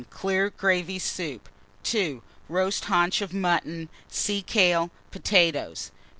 Clear gravy soup. 2. Roast haunch of mutton, sea kale, potatoes.